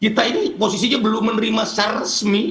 kita ini posisinya belum menerima secara resmi